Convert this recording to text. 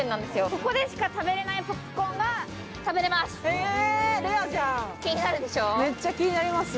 ここでしか食べれないポップコーンが食べれます。